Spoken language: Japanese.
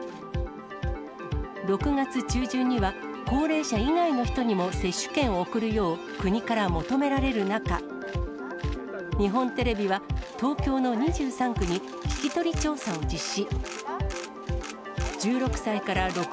６月中旬には、高齢者以外の人にも接種券を送るよう、国から求められる中、日本テレビは、東京の２３区に聞き取り調査を実施。